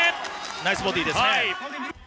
ナイスボディーですね。